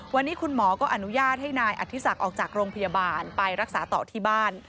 วันนี้คุณหมอก็อนุญาตให้นายอธิศักดิ์ออกจากโรงพยาบาลไปรักษาต่อที่บ้าน